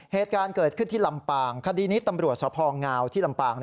เหตุการณ์เกิดขึ้นที่ลำปางคดีนี้ตำรวจสภงาวที่ลำปาง